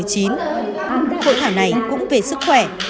hội thảo này cũng về sức khỏe